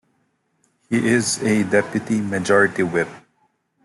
He is a Deputy Majority Whip.